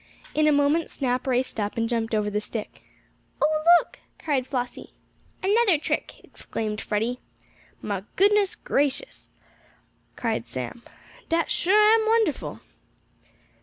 In a moment Snap raced up, and jumped over the stick. "Oh, look!" cried Flossie. "Another trick!" exclaimed Freddie. "Mah gracious goodness!" cried Sam. "Dat suah am wonderful!"